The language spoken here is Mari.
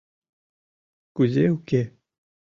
— Кузе уке...